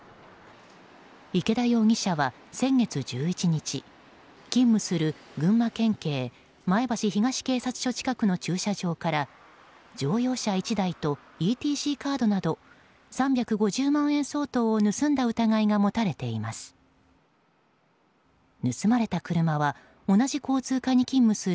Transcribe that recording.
池田容疑者は先月１１日勤務する群馬県警前橋東警察署近くの駐車場から乗用車１台とＥＴＣカードなど３５０万円相当を盗んだ疑いが持たれています。